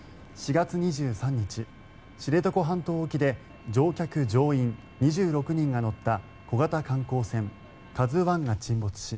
４月２３日、知床半島沖で乗客・乗員２６人が乗った小型観光船「ＫＡＺＵ１」が沈没し